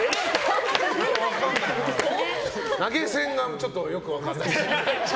投げ銭がちょっとよく分からない。